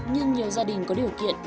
nhưng nhiều gia đình có điều kiện